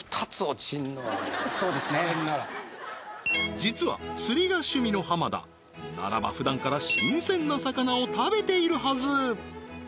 シャレにならん実は釣りが趣味の濱田ならばふだんから新鮮な魚を食べているはず